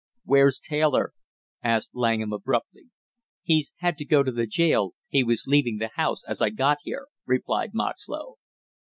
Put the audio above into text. "Where's Taylor?" asked Langham abruptly. "He's had to go to the jail, he was leaving the house as I got here," replied Moxlow.